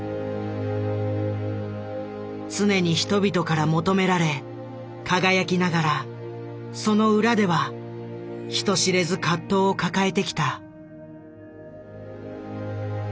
常に人々から求められ輝きながらその裏では人知れず葛藤を抱えてきた。